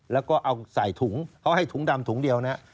แล้วก็เอาใส่ถุงเขาให้ถุงดำถุงเดียวนะ